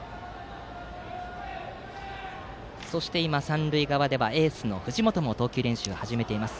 そして、三塁側ではエースの藤本も投球練習を始めています。